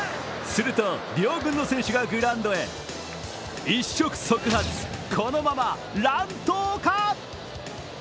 すると、両軍の選手がグラウンドへ一触即発、このまま乱闘か？！